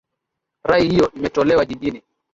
Rai hiyo imetolewa jijini